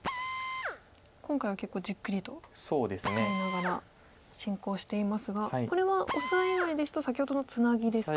今回は結構じっくりと使いながら進行していますがこれはオサエ以外ですと先ほどのツナギですか？